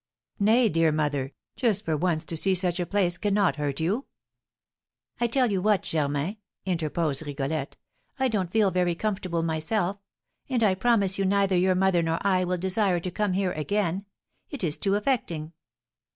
"Nay, dear mother, just for once to see such a place cannot hurt you!" "I tell you what, Germain," interposed Rigolette, "I don't feel very comfortable myself; and I promise you neither your mother nor I will desire to come here again it is too affecting!"